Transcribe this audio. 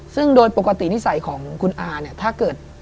ซึ่งโดยปกตินิสัยของคุณอาเนี่ยถ้าเกิด